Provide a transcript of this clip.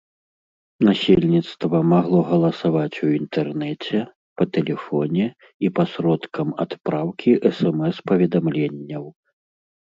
Насельніцтва магло галасаваць у інтэрнэце, па тэлефоне і пасродкам адпраўкі смс-паведамленняў.